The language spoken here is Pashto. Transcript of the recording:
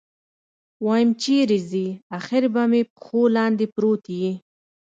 ويم چېرې ځې اخېر به مې پښو لاندې پروت يې.